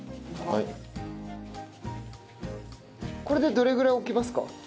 これでどれぐらい置きますか？